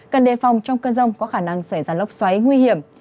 cần đề phòng trong cơn rông có khả năng xảy ra lốc xoáy nguy hiểm